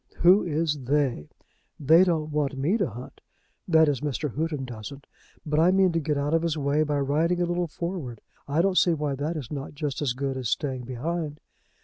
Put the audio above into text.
Who is they? 'They' don't want me to hunt. That is, Mr. Houghton doesn't. But I mean to get out of his way by riding a little forward. I don't see why that is not just as good as staying behind.